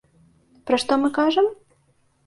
Пра што мы кажам?